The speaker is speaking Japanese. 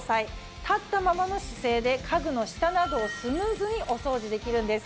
立ったままの姿勢で家具の下などをスムーズにお掃除できるんです。